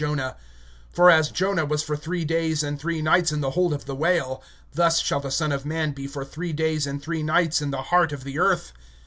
(40)For as Jonah was three days and three nights in the belly of the fish, so shall the Son of man be three days and three nights in the heart of the earth.